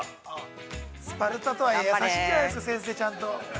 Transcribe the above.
◆スパルタとはいえ、優しいじゃないですか、先生。